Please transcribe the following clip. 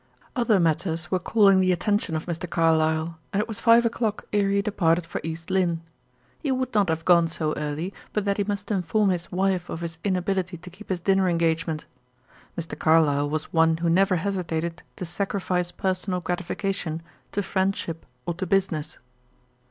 Other matters were calling the attention of Mr. Carlyle, and it was five o'clock ere he departed for East Lynne; he would not have gone so early, but that he must inform his wife of his inability to keep his dinner engagement. Mr. Carlyle was one who never hesitated to sacrifice personal gratification to friendship or to business.